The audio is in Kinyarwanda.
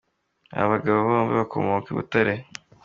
Aba bagabo bombi bakomokaga i Butare.